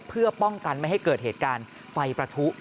เพื่อป้องกันไม่ให้เกิดเหตุการณ์ไฟประทุ